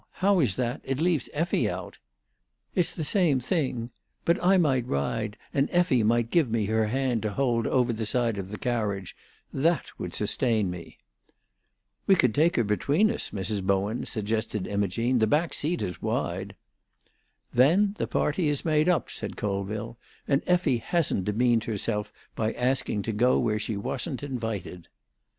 How is that? It leaves Effie out." "It's the same thing. But I might ride, and Effie might give me her hand to hold over the side of the carriage; that would sustain me." "We could take her between us, Mrs. Bowen," suggested Imogene. "The back seat is wide." "Then the party is made up," said Colville, "and Effie hasn't demeaned herself by asking to go where she wasn't invited."